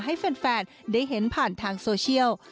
ให้แฟนได้เห็นผ่านทางโซเชียล